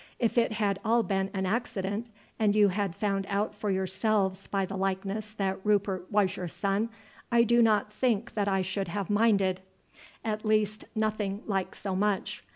If it had all been an accident, and you had found out for yourselves by the likeness that Rupert was your son, I do not think that I should have minded, at least nothing like so much.